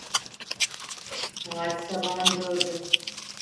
Saat sabahın dördü.